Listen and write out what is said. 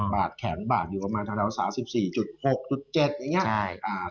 บาทแขนบาทอยู่ประมาณทางดาวสาว๑๔๖๑๗บาท